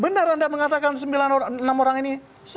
tidak randa mengatakan enam orang ini